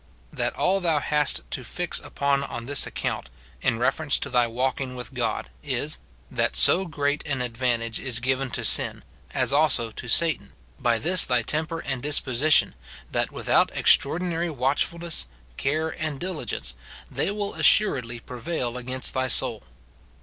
That all thou hast to fix upon on this account, in refer ence to thy walking with God, is, that so great an advan tage is given to sin, as also to Satan, by this thy. temper and disposition, that without extraordinary watchfulness, care, and diligence, they will assuredly prevail against * Psa. li. 5. SIN IN BELIEVERS. 255 tliy soul.